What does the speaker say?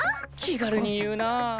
気軽に言うなあ。